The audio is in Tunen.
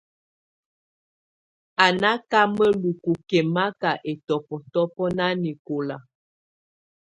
Á nà ka mǝ́lukù kɛ̀maka ɛtɔbɔtɔbɔ nanɛkɔla.